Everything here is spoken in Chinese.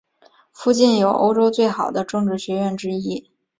附近有欧洲最好的政治学院之一。